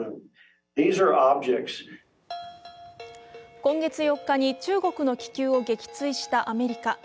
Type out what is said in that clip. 今月４日に、中国の気球を撃墜したアメリカ。